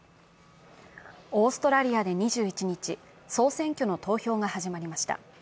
オーストラリア２１日、総選挙の投票が始まりました。